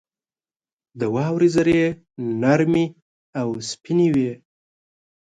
• د واورې ذرې نرمې او سپینې وي.